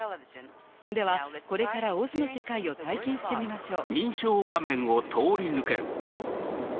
ではこれからＯＺの世界を体験してみましょう。